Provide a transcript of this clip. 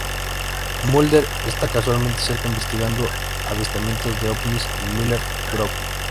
Mulder está casualmente cerca, investigando avistamientos de ovnis en Miller's Grove.